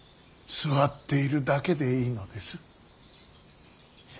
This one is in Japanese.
座っているだけでいいみたいですよ。